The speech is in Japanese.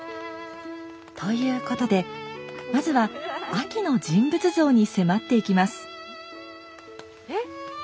ということでまずはあきの人物像に迫っていきます。